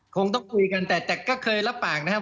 คุณธิรศผมต้องคุยกันแต่ก็เคยลับปากนะคะ